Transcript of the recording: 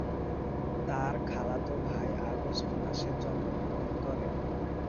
তার খালাতো ভাই আগস্ট মাসে জন্মগ্রহণ করে।